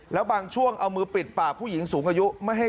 แล้วบางช่วงเอามือปิดปากผู้หญิงสูงอายุไม่ให้